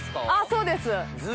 そうです。